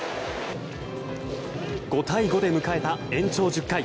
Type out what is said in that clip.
５対５で迎えた延長１０回。